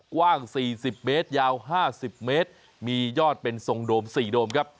กว้างสี่สิบเมตรยาวห้าสิบเมตรมียอดเป็นทรงโดมสี่โดมครับ